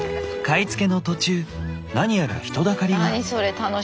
買い付けの途中何やら人だかりが。